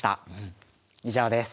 以上です。